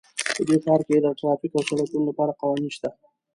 په دې ښار کې د ټرافیک او سړکونو لپاره قوانین شته